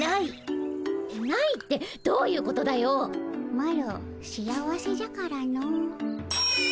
マロ幸せじゃからの。